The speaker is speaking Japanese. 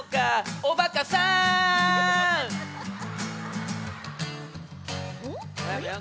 おばかさん！